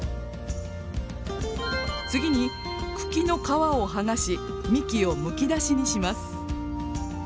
次に茎の皮を剥がし幹をむき出しにします。